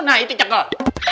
nah itu cakep